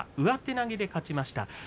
上手投げで勝ちました。